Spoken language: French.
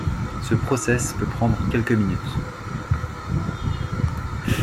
Ce process peut prendre quelques minutes.